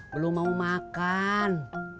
belum mau makan